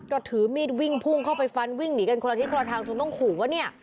ก็ถือมีดวิ่งพุ่งเข้าไปฟันวิ่งหนีกันคนละทิศคนละทางจนต้องขู่ว่าเนี่ย